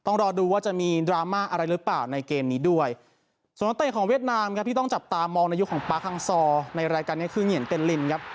ในรายการนี้คือนี่เรียนเต็มลินครับ